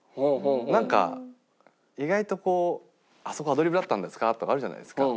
なんか意外とこう「あそこアドリブだったんですか」とかあるじゃないですか。